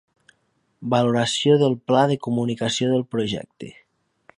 Valoració del pla de comunicació del projecte.